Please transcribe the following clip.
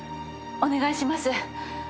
お願いします。